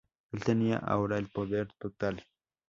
Él tenía ahora el poder total.